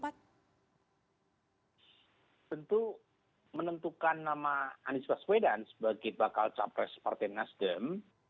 tentu menentukan nama anies baswedan sebagai bakal capres partai nasdem